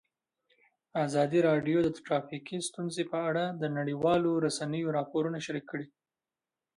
ازادي راډیو د ټرافیکي ستونزې په اړه د نړیوالو رسنیو راپورونه شریک کړي.